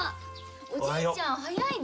おじいちゃん早いね。